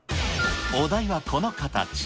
お題は、この形。